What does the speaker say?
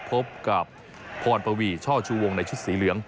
พบกับพรปวีช่อชูวงในชุดสีเหลือง